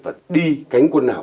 và đi cánh quân hảo